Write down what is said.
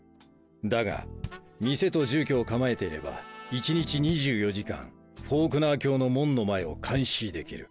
だが店と住居を構えていれば一日２４時間フォークナー卿の門の前を監視できる。